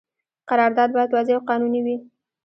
قرارداد باید واضح او قانوني وي.